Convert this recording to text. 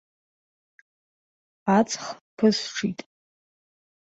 Аҵх ԥысҽит.